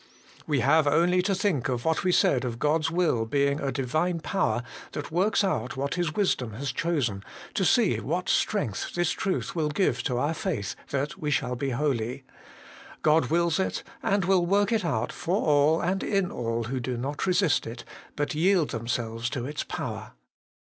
We have only to think of what we said of God's will being a Divine power that works out what His wisdom has chosen, to see what strength this truth will give to our faith that we shall be holy : God wills it, and will work it out for all and in all who do not resist it, but yield themselves to its power.